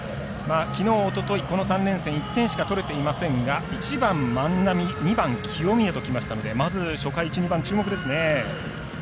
きのう、おととい３連戦１点しか取れていませんが１番に万波２番、清宮ときましたのでまず初回の１、２番楽しみですね。